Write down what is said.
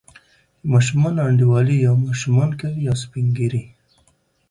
د ماشومانو انډیوالي یا ماشومان کوي، یا سپین ږیري.